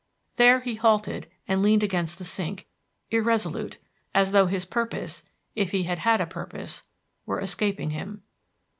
There he halted and leaned against the sink, irresolute, as though his purpose, if he had had a purpose, were escaping him.